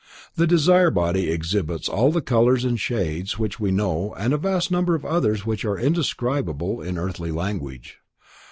The desire body exhibits all the colors and shades which we know and a vast number of others which are indescribable in earthly language.